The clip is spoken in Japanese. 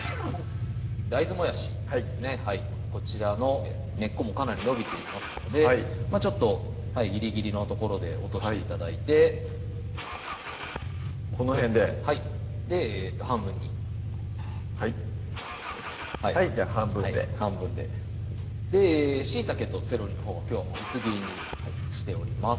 大豆もやしですねこちらの根っこもかなり伸びていますのでちょっとギリギリの所で落として頂いてこの辺ではい半分にはいはいじゃあ半分で半分でしいたけとセロリのほうはきょうはもう薄切りにしております